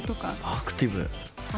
アクティブー。